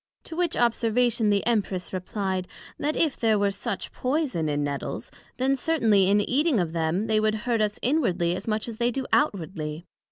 To which Observation the Empress replied, That if there were such poyson in Nettles, then certainly in eating of them, they would hurt us inwardly, as much as they do outwardly?